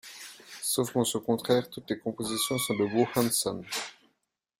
Sauf mention contraire, toutes les compositions sont de Bo Hansson.